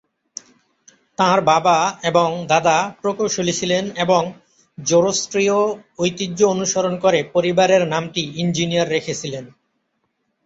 তাঁর বাবা এবং দাদা প্রকৌশলী ছিলেন এবং জোরোস্ট্রিয় ঐতিহ্য অনুসরণ করে পরিবারের নামটি "ইঞ্জিনিয়ার" রেখেছিলেন।